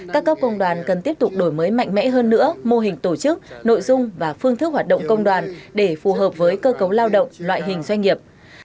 các cấp công đoàn cần tiếp tục đổi mới mạnh mẽ hơn nữa mô hình tổ chức nội dung và phương thức hoạt động công đoàn để phù hợp với cơ cấu lao động loại hình doanh nghiệp